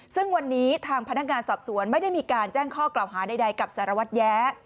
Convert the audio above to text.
ซึ่งวันนี้ทางพนักงานสอบสวนไม่ได้มีการแจ้งข้อกล่าวหาใดกับสารวัตรแย้